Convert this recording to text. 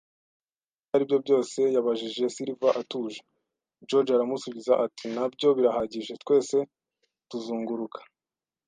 “Ibyo aribyo byose?” yabajije Silver atuje. George aramusubiza ati: “Na byo birahagije.” “Twese tuzunguruka